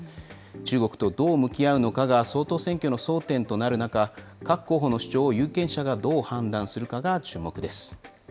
中国とどう向き合うのかが総統選挙の争点となる中、各候補の主張を有権者がどう判断するかが注目です。